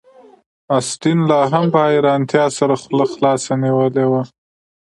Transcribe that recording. اسټین لاهم په حیرانتیا سره خوله خلاصه نیولې وه